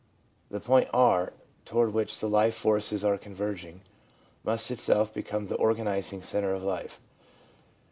The point, r y toward which the life forces are converging, must itself become the organising centre of life.